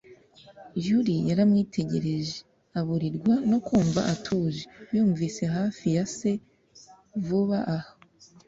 Yully yaramwitegereje, aburirwa no kumva atuje yumvise hafi ya se vuba aha.